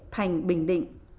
thành bình định